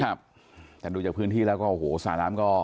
ครับแต่ดูจากพื้นที่แล้วก็สาร้ำก็